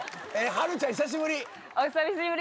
はるちゃん久しぶり。